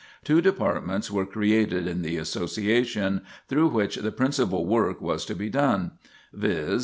Two departments were created in the Association, through which the principal work was to be done; viz.